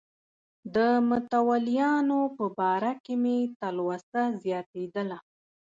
د متولیانو په باره کې مې تلوسه زیاتېدله.